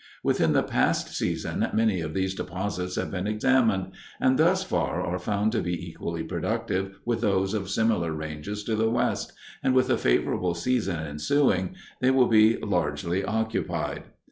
Within the past season, many of these deposits have been examined, and thus far are found to be equally productive with those of similar ranges to the west, and, with a favorable season ensuing, they will be largely occupied."